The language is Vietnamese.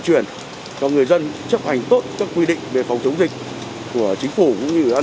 truyền cho người dân chấp hành tốt các quy định biện phòng chống dịch của chính phủ cũng như an